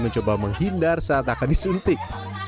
mencoba menghindar saat akan disuntik